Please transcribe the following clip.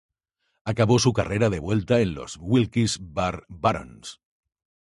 Acabó su carrera de vuelta en los Wilkes-Barre Barons.